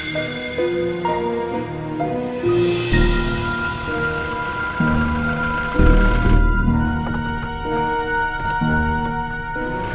jadi kita mau ke rumah